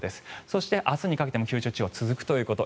そして、明日にかけても九州地方は続くということ。